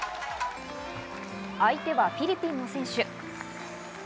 相手はフィリピンの選手。